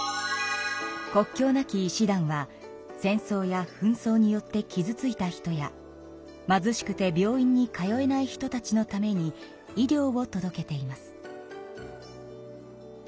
国境なき医師団は戦争やふん争によってきずついた人や貧しくて病院に通えない人たちのために医療を届けています。